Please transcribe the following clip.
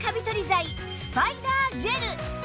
剤スパイダージェル